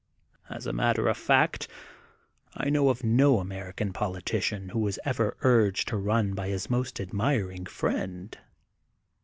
As a matter of fact I know of no American politician who was ever urged to run by his most admiring friend.